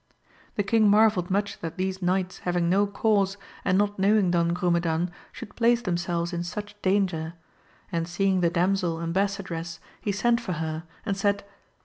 The king marvelled much that these knights having no cause, and not knowing Don Grumedan, should place them selves in such danger ; and seeing the damsel embas sadress he sent for her, and said.